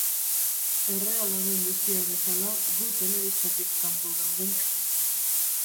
Erreala den guztia bezala, gu telebistatik kanpo gaudenk.